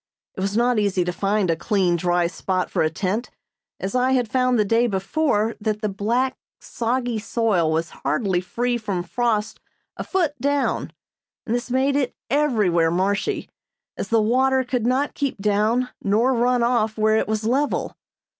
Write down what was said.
It was not easy to find a clean, dry spot for a tent, as I had found the day before that the black, soggy soil was hardly free from frost a foot down, and this made it everywhere marshy, as the water could not keep down nor run off where it was level.